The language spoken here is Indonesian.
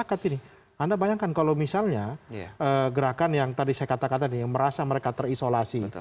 anda bayangkan kalau misalnya gerakan yang tadi saya katakan tadi yang merasa mereka terisolasi